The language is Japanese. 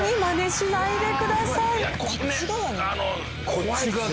こっち側に。